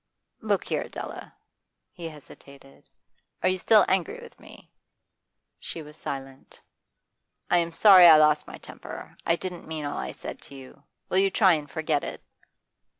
'Look here, Adela.' He hesitated. 'Are you still angry with me?' She was silent. 'I am sorry I lost my temper. I didn't mean all I said to you. Will you try and forget it?